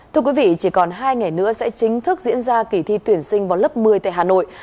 thưa quý vị chỉ còn hai ngày nữa sẽ chính thức diễn ra kỳ thi tuyển sinh vào lớp một mươi tại hà nội